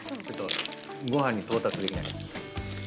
ご飯に到達できない。